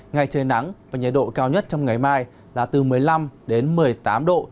ngày trời nắng và nhiệt độ cao nhất trong ngày mai là từ một mươi năm đến một mươi tám độ